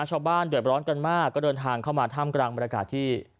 ชาวบ้านเดือดร้อนกันมากก็เดินทางเข้ามาท่ามกลางบรรยากาศที่